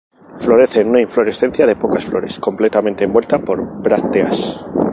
Florece en una inflorescencia de pocas flores completamente envuelta por brácteas.